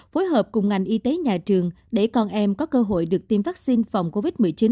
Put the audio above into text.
phối hợp cùng ngành y tế nhà trường để con em có cơ hội được tiêm vaccine phòng covid một mươi chín